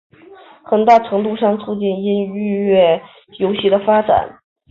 很大程度上促成音乐游戏的发展。